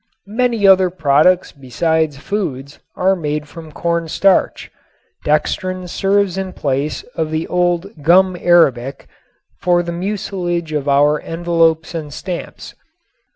Many other products besides foods are made from corn starch. Dextrin serves in place of the old "gum arabic" for the mucilage of our envelopes and stamps.